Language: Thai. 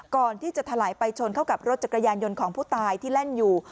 ถลายไปชนเข้ากับรถจักรยานยนต์ของผู้ตายที่แล่นอยู่